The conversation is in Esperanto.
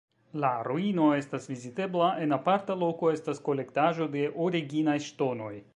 La ruino estas vizitebla, en aparta loko estas kolektaĵo de originaj ŝtonoj.